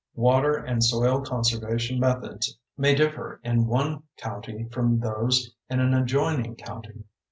Water and soil conservation methods may differ in one county from those in an adjoining county.